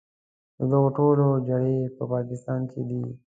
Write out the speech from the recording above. د دغو ټولو جرړې په پاکستان کې دي.